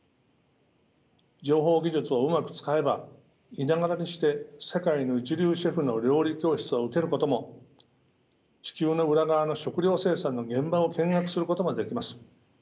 情報技術をうまく使えば居ながらにして世界の一流シェフの料理教室を受けることも地球の裏側の食料生産の現場を見学することもできます。